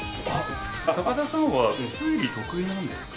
高田さんは推理得意なんですか？